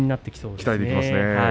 期待、持てますね。